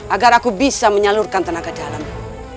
agar aku bisa menyalurkan tenaga jalanmu